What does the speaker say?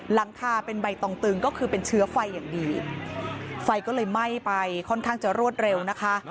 หลังคาเป็นใบตองตึงก็คือเป็นเชื้อไฟอย่างดีไฟก็เลยไหม้ไปค่อนข้างจะรวดเร็วนะคะ